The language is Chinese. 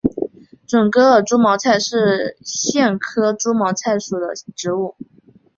准噶尔猪毛菜是苋科猪毛菜属的植物。